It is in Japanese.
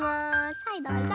はいどうぞ！